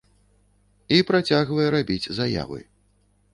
І працягвае рабіць заявы.